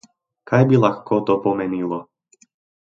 Kaj bi lahko to pomenilo?